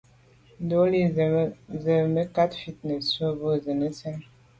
Ndɔ̌lî zə̀ mə̀kát fít nə̀ tswə́ bû zə̀ nə́ sɛ́n.